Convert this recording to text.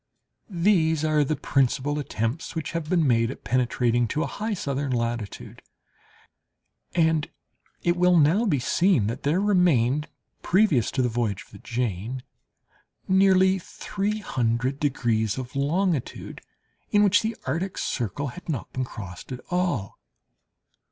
These are the principal attempts which have been made at penetrating to a high southern latitude, and it will now be seen that there remained, previous to the voyage of the Jane, nearly three hundred degrees of longitude in which the Antarctic circle had not been crossed at all.